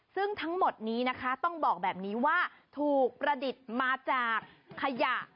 ซึ่งทั้งหมดต้องบอกว่าถูกประดิษฐ์มาจากฮะย่า